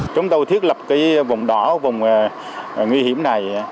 chúng tôi thiết lập vùng đỏ vùng nguy hiểm này